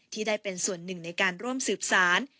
ที่ได้เป็นส่วนหนึ่งในการร่วมสืบสาร